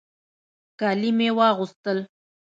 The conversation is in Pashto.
کالي مې واغوستل.